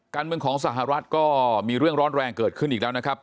การเมืองของสหรัฐก็มีเรื่องร้อนแรงเกิดขึ้นอีกแล้วนะครับ